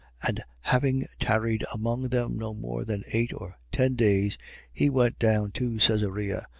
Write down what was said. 25:6. And having tarried among them no more than eight or ten days, he went down to Caesarea.